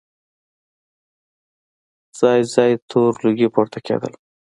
ځای ځای تور لوګي پورته کېدل.